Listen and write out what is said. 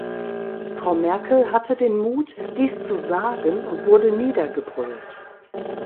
Frau Merkel hatte den Mut, dies zu sagen und wurde niedergebrüllt.